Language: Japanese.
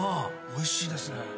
おいしいですね。